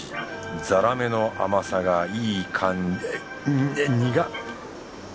ザラメの甘さがいい感苦っ！